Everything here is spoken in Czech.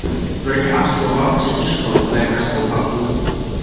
V Brně absolvoval střední školu i lékařskou fakultu.